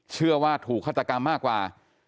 เชื่อว่าถูกฆาตกรรมมากกว่า